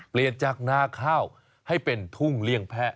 เปลี่ยนจากนาข้าวให้เป็นทุ่งเลี่ยงแพะ